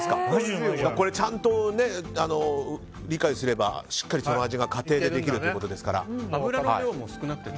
ちゃんと理解すればしっかりその味が家庭でできるということですから。